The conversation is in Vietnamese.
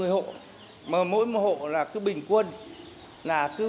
một trăm năm mươi hộ mỗi một hộ là cứ bình quân